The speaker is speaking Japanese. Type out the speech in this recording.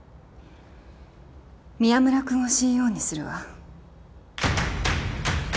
宮村君を ＣＥＯ にするわ